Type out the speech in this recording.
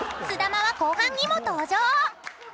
［すだまは後半にも登場！］